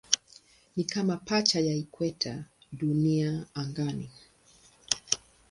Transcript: Ni kama pacha ya ikweta ya Dunia angani.